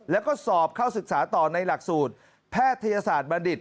แล้วก็สอบเข้าศึกษาต่อในหลักสูตรแพทยศาสตร์บัณฑิต